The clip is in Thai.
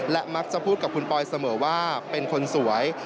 และมักจะพูดกับคุณปอยเสมอว่าเป็นคนสวย